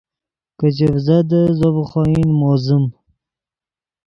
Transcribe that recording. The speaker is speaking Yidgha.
کہ چڤزدیت زو ڤے خوئن موزیم